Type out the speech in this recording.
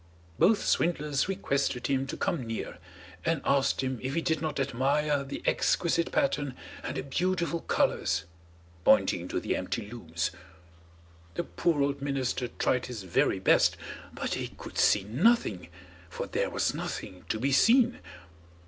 Both swindlers requested him to come near, and asked him if he did not admire the exquisite pattern and the beautiful colours, pointing to the empty looms. The poor old minister tried his very best, but he could see nothing, for there was nothing to be seen.